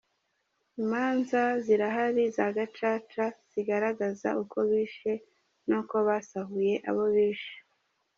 Imanza zirahari za Gacaca zigaragaza uko bishe n’uko basahuye abo bishe.